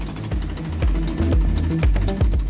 tim liputan cnn indonesia